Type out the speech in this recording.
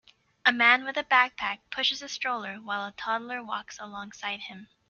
A man with a backpack pushes a stroller while a toddler walks along side him.